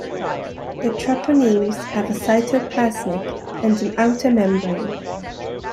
The treponemes have a cytoplasmic and an outer membrane.